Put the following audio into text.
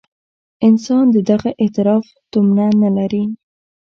انسان د دغه اعتراف تومنه نه لري.